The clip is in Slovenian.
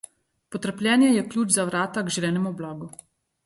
Potrpljenje je ključ za vrata k želenemu blagu.